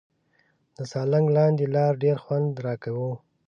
د سالنګ لاندې لار ډېر خوند راکاوه.